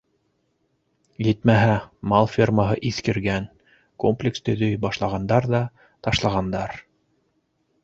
Етмәһә, мал фермаһы иҫкергән, комплекс төҙөй башлағандар ҙа ташлағандар.